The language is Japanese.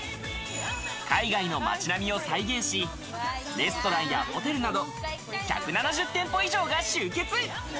海外のような街並みを再現し、レストランやホテルなど、１７０店舗以上が集結。